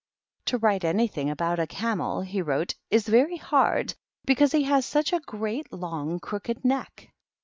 " To write anything about a Camely^ he wrote, "t8 very hardy because he has such a great long crooked neck.